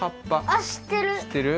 あっしってる！